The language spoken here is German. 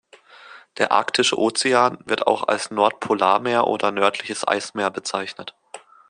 Der Arktische Ozean, wird auch als Nordpolarmeer oder nördliches Eismeer bezeichnet.